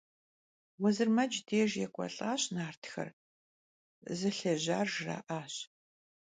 Vuezırmec dêjj yêk'uelh'aş nartxer, zılhêjar jjra'aş.